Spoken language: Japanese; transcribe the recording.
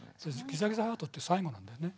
「ギザギザハート」って最後なんだよね。